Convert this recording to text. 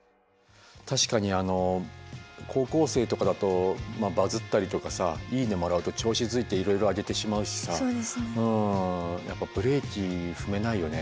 確かに高校生とかだとバズったりとかさ「いいね」もらうと調子づいていろいろ上げてしまうしさやっぱブレーキ踏めないよね